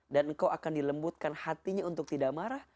dan engkau akan dilembutkan hatinya untuk tidak marah